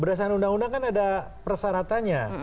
berdasarkan undang undang kan ada persyaratannya